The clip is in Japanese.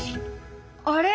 あれ？